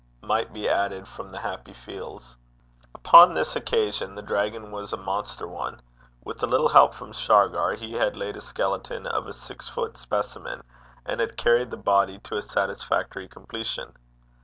might be added from the happy fields. Upon this occasion the dragon was a monster one. With a little help from Shargar, he had laid the skeleton of a six foot specimen, and had carried the body to a satisfactory completion.